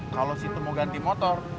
kalau si itu mau ganti motor